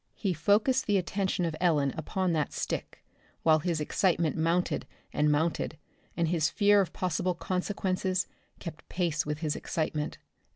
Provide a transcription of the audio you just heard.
He focussed the attention of Ellen upon that stick, while his excitement mounted and mounted, and his fear of possible consequences kept pace with his excitement.